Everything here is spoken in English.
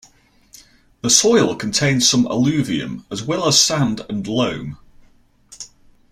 The soil contains some alluvium as well as sand and loam.